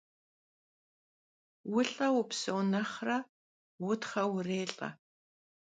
Vulh'eu vupseu nexhre, vutxheu vurêlh'e.